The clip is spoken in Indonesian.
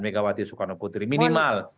megawati soekarno kutri minimal